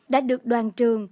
đã được đoàn trường